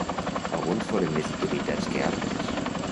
Alguns foren més utilitzats que altres.